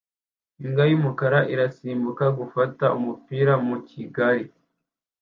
Imbwa y'umukara irasimbuka gufata umupira mu gikari